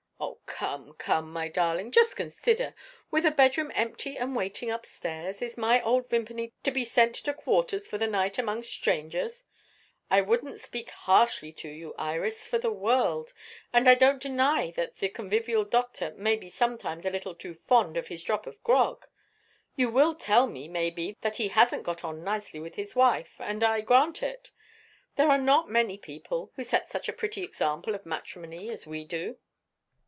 "Oh, come, come, my darling! Just consider. With a bedroom empty and waiting, upstairs, is my old Vimpany to be sent to quarters for the night among strangers? I wouldn't speak harshly to you, Iris, for the whole world; and I don't deny that the convivial doctor may be sometimes a little too fond of his drop of grog. You will tell me, maybe, that he hasn't got on nicely with his wife; and I grant it. There are not many people who set such a pretty example of matrimony as we do.